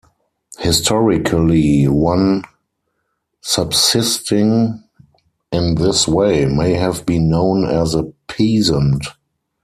Historically, one subsisting in this way may have been known as a "peasant".